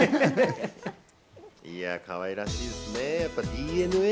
いや、かわいらしいですね。